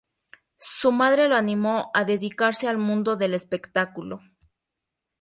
Su madre lo animó a dedicarse al mundo del espectáculo.